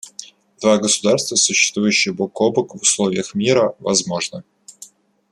Два государства, существующие бок о бок в условиях мира, возможны.